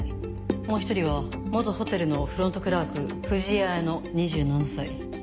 もう一人は元ホテルのフロントクラーク藤井綾乃２７歳。